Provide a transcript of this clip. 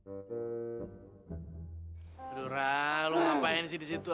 aduh rah lo ngapain sih di situ